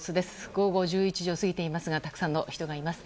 午後１１時を過ぎていますがたくさんの人がいます。